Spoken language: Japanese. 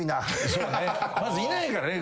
そうねまずいないからね。